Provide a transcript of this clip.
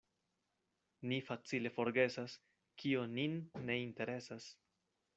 Ni facile forgesas, kio nin ne interesas.